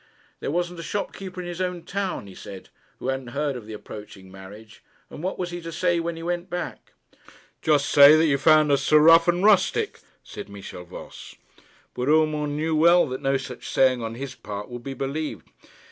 There wasn't a shopkeeper in his own town, he said, who hadn't heard of his approaching marriage. And what was he to say when he went back? 'Just say that you found us so rough and rustic,' said Michel Voss. But Urmand knew well that no such saying on his part would be believed.